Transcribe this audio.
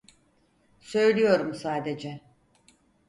Söylüyorum sadece.